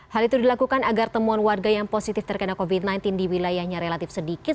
hal itu dilakukan agar temuan warga yang positif terkena covid sembilan belas di wilayahnya relatif sedikit